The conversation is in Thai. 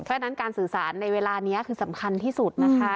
เพราะฉะนั้นการสื่อสารในเวลานี้คือสำคัญที่สุดนะคะ